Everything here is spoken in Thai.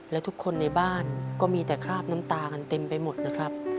และทุกคนในบ้านก็มีแต่คราบน้ำตากันเต็มไปหมดนะครับ